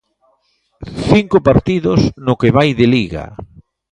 Cinco partidos no que vai de Liga.